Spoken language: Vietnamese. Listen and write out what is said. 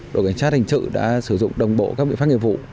đội cảnh sát hình sự đã sử dụng đồng bộ các biện pháp nghiệp vụ